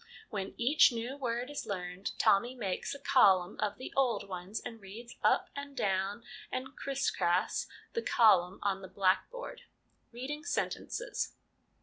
When each new word is learned, Tommy makes a column of the old ones, and reads up and down and cris cras, the column on the black board. Reading Sentences.